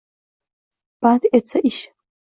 Band etsa ish